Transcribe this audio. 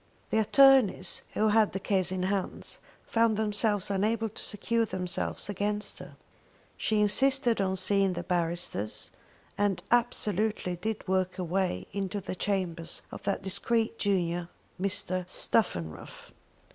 The attornies who had the case in hands, found themselves unable to secure themselves against her. She insisted on seeing the barristers, and absolutely did work her way into the chambers of that discreet junior Mr. Stuffenruff.